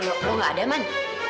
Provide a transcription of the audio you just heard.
lo gak ada man